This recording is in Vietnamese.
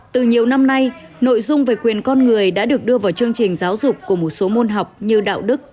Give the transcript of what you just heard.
từ nhiều năm nay nội dung về quyền con người đã được đưa vào chương trình giáo dục của một số môn học như đạo đức